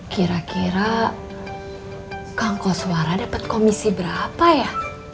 kira kira kang koswara dapat komisi berapa ya